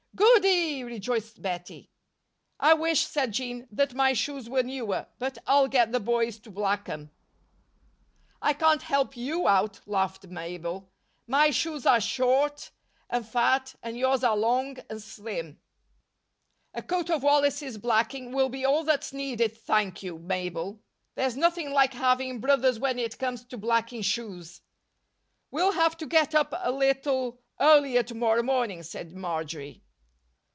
"Goody!" rejoiced Bettie. "I wish," said Jean, "that my shoes were newer, but I'll get the boys to black 'em." "I can't help you out," laughed Mabel. "My shoes are short and fat and yours are long and slim." "A coat of Wallace's blacking will be all that's needed, thank you, Mabel. There's nothing like having brothers when it comes to blacking shoes." "We'll have to get up a little earlier to morrow morning," said Marjory.